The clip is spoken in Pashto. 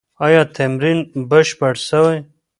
ایا تمرین بشپړ سوی؟